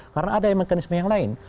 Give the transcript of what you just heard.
karena ada mekanisme yang lain